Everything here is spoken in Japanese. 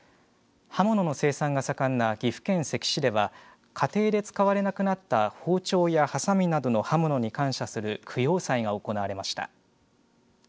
刃物の生産が盛んな岐阜県関市では家庭で使われなくなった包丁やはさみなどの刃物に感謝する供養祭が行われました。